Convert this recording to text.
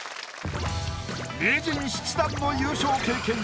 名人７段の優勝経験者